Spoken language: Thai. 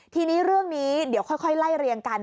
ทีนี้เรื่องนี้เดี๋ยวค่อยไล่เรียงกัน